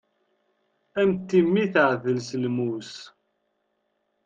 A mm timmi teɛdel s lmus.